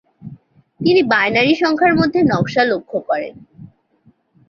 তিনি বাইনারি সংখ্যার মধ্যে নকশা লক্ষ্য করেন।